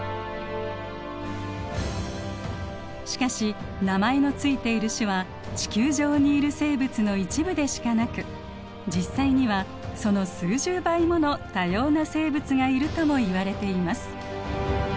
しかし名前の付いている種は地球上にいる生物の一部でしかなく実際にはその数十倍もの多様な生物がいるともいわれています。